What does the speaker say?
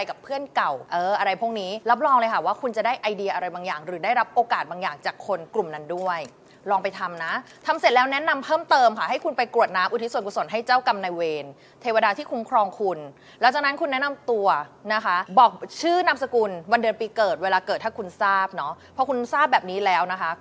กับเพื่อนเก่าเอออะไรพวกนี้รับรองเลยค่ะว่าคุณจะได้ไอเดียอะไรบางอย่างหรือได้รับโอกาสบางอย่างจากคนกลุ่มนั้นด้วยลองไปทำนะทำเสร็จแล้วแนะนำเพิ่มเติมค่ะให้คุณไปกรวดน้ำอุทิศส่วนกุศลให้เจ้ากรรมนายเวรเทวดาที่คุ้มครองคุณหลังจากนั้นคุณแนะนำตัวนะคะบอกชื่อนามสกุลวันเดือนปีเกิดเวลาเกิดถ้าคุณทราบเนาะพอคุณทราบแบบนี้แล้วนะคะ